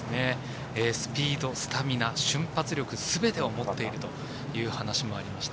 スピード、スタミナ、瞬発力すべてを持っているという話がありました。